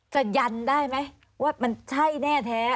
ยันได้ไหมว่ามันใช่แน่แท้